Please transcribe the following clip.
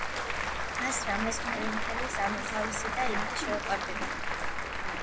მას რამაზ კორინთელის, ანუ თავისი და ინგა შეუყვარდება.